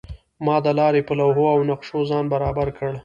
ما د لارې په لوحو او نقشو ځان برابر کړ.